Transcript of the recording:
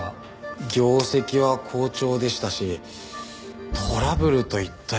業績は好調でしたしトラブルといったようなものは。